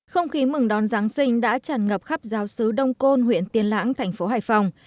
không khí mừng đón giáng sinh đã tràn ngập khắp giáo sứ đông côn huyện tiên lãng thành phố hải phòng